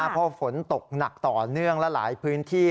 เพราะฝนตกหนักต่อเนื่องและหลายพื้นที่